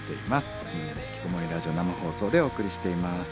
「みんなでひきこもりラジオ」生放送でお送りしています。